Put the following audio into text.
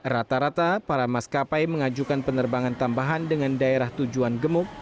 rata rata para maskapai mengajukan penerbangan tambahan dengan daerah tujuan gemuk